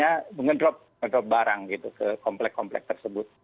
dan juga memberikan apa namanya ngedrop barang gitu ke komplek komplek tersebut